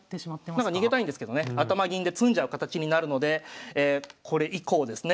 なんか逃げたいんですけどね頭銀で詰んじゃう形になるのでこれ以降ですね